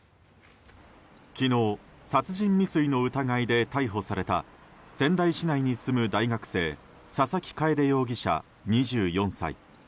昨日、殺人未遂の疑いで逮捕された仙台市内に住む大学生佐々木楓容疑者、２４歳。